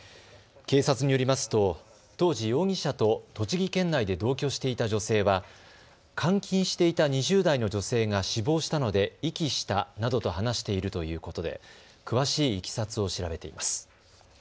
警察によりますと当時、容疑者と栃木県内で同居していた女性は監禁していた２０代の女性が死亡したので遺棄したなどと話しているということで詳しいいきさつを調べています。